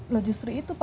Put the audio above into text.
logistri itu pak